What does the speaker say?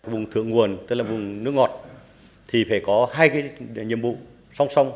vùng thượng nguồn tức là vùng nước ngọt thì phải có hai cái nhiệm vụ song song